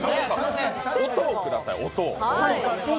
音をください、音を。